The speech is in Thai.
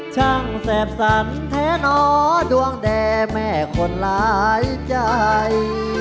แสบสันแท้หนอดวงแด่แม่คนหลายใจ